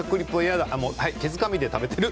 「手づかみで食べてる」。